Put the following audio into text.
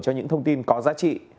cho những thông tin có giá trị